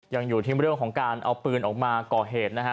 ยังอยู่ที่เรื่องของการเอาปืนออกมาก่อเหตุนะฮะ